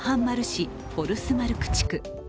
市フォルスマルク地区。